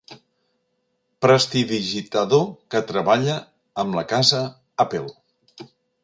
Prestidigitador que treballa amb la casa Apple.